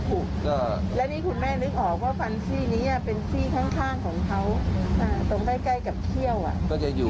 เป็นพื้นที่ที่ปลอดภัยแล้วไม่ค่อยมีใครมาแล้วปลวงอย่างบรรยากาศที่มันนี่บอกอ่ะ